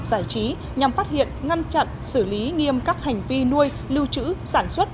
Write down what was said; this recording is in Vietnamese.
giải trí nhằm phát hiện ngăn chặn xử lý nghiêm các hành vi nuôi lưu trữ sản xuất